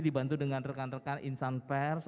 dibantu dengan rekan rekan insan pers